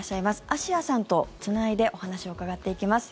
あしやさんとつないでお話を伺っていきます。